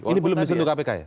ini belum disentuh kpk ya